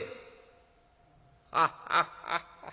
「ハッハハハ。